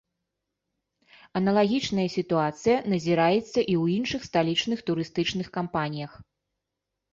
Аналагічная сітуацыя назіраецца і ў іншых сталічных турыстычных кампаніях.